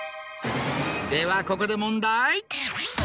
ではここで問題。